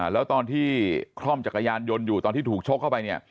แล้วตอนที่คล่อมจักรยานยนต์อยู่ตอนที่ถูกชกเข้าไปเนี่ย